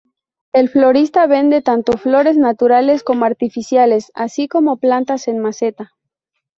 El florista vende tanto flores naturales como artificiales, así como plantas en maceta.